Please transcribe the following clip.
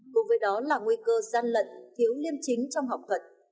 cùng với đó là nguy cơ gian lận thiếu liêm chính trong học thuật